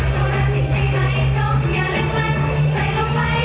ความมั่นต้องกลับอย่างเย็นเผื่อไป